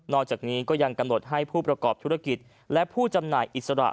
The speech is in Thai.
อกจากนี้ก็ยังกำหนดให้ผู้ประกอบธุรกิจและผู้จำหน่ายอิสระ